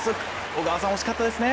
小川さん、惜しかったですね。